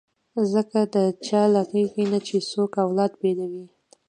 ځکه د چا له غېږې نه چې څوک اولاد بېلوي.